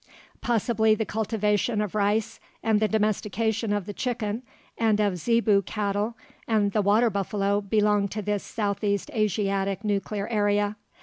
Possibly the cultivation of rice and the domestication of the chicken and of zebu cattle and the water buffalo belong to this southeast Asiatic nuclear area.